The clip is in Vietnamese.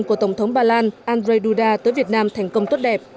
của tổng thống ba lan andrzej duda tới việt nam thành công tốt đẹp